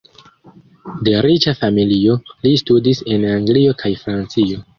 De riĉa familio, li studis en Anglio kaj Francio.